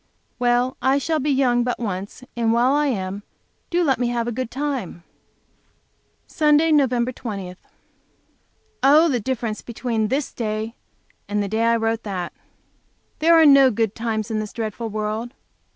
Well, I shall be young but once, and while I am, do let me have a good time! Sunday, Nov. 20. Oh, the difference between this day and the day I wrote that! There are no good times in this dreadful world.